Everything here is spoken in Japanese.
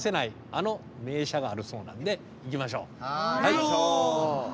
あの名車があるそうなんで行きましょう。